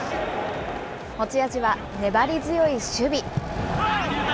持ち味は、粘り強い守備。